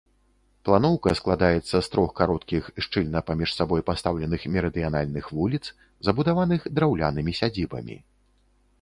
Планоўка складаецца з трох кароткіх, шчыльна паміж сабой пастаўленых мерыдыянальных вуліц, забудаваных драўлянымі сядзібамі.